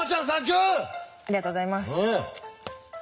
ありがとうございます。